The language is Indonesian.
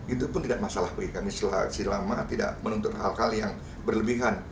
itu pun tidak masalah bagi kami selama tidak menuntut hal hal yang berlebihan